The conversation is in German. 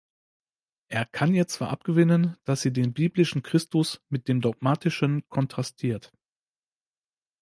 Er kann ihr zwar abgewinnen, dass sie den biblischen Christus mit dem dogmatischen kontrastiert.